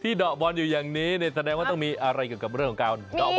เดาะบอลอยู่อย่างนี้แสดงว่าต้องมีอะไรเกี่ยวกับเรื่องของการเดาะ